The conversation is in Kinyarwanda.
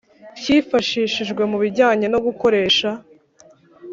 cyifashishwe mu bijyanye no gukoresha